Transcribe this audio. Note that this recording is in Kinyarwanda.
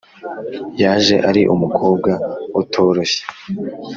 Yaje ari umukobwa utoroshye